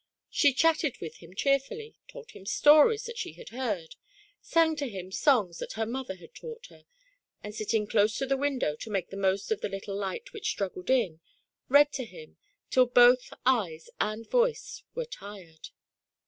■ She chatted with him cheerfully, told him stories that she had heard, sang to him songs that her mother had taught her, and sitting close to the window to make the most of the little light which struggled in, read to him till both eyes and voice were tired.